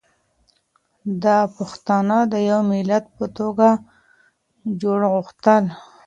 ده پښتانه د يو ملت په توګه جوړول غوښتل